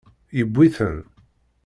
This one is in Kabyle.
Yewwi-ten.